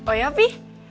oh ya pi